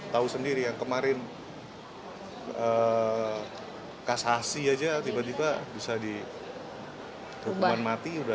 tahu sendiri yang kemarin kasasi aja tiba tiba bisa dihukuman mati